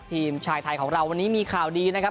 ทีมชายไทยของเราวันนี้มีข่าวดีนะครับ